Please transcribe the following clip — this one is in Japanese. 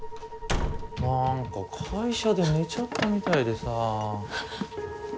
なんか会社で寝ちゃったみたいでさ。